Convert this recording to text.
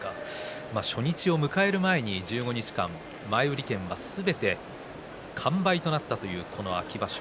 初日を迎える前に１５日間、前売券がすべて完売となったというこの秋場所。